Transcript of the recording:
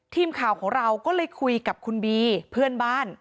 ทีมข่าวของเราก็เลยคุยกับคุณบีเพื่อนบ้าน